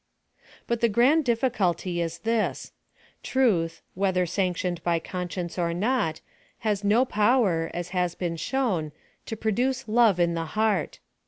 But the grand difficulty is this :— Truth, whether sanctioned by conscience or not, has no power, as has been shown, to produce love in the heart.